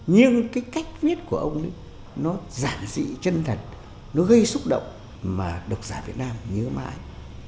nhưng cách viết của ông giản dị chân thật gây xúc động mà độc giả việt nam nhớ mãi